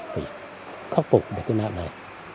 phải khắc phục được cái nạn này